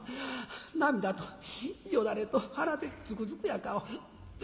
「涙とよだれとはなでつくづくな顔」。